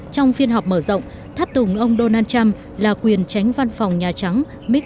trong phiên họp mở rộng thắt tùng ông donald trump là quyền tránh văn phòng nhà trắng